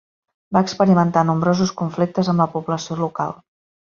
Va experimentar nombrosos conflictes amb la població local.